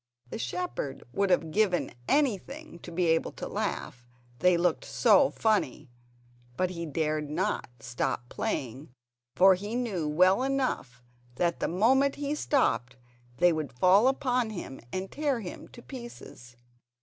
The shepherd would have given anything to be able to laugh, they looked so funny; but he dared not stop playing, for he knew well enough that the moment he stopped they would fall upon him and tear him to pieces.